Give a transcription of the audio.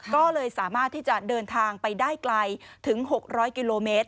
ก็เลยสามารถที่จะเดินทางไปได้ไกลถึง๖๐๐กิโลเมตร